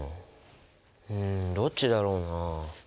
うんどっちだろうな？